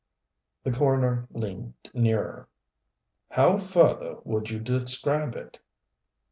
The coroner leaned nearer. "How further would you describe it?"